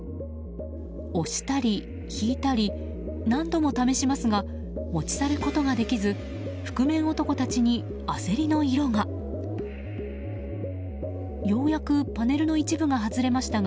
押したり、引いたり何度も試しますが持ち去ることができず覆面男たちに焦りの色が。